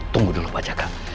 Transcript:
tunggu dulu pak jaka